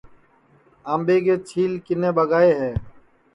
آمٻے کے چھیل کِنے ٻگائے ہے